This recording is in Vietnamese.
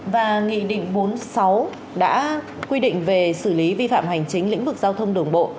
và nghị định bốn mươi sáu đã quy định về xử lý vi phạm hành chính lĩnh vực giao thông đường bộ